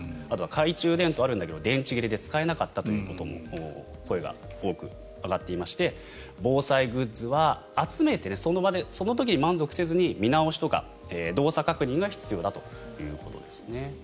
あとは懐中電灯があるんだけど電池切れで使えなかったという声が多く上がっていまして防災グッズは集めてその時に満足せず見直しとか動作確認が必要だということですね。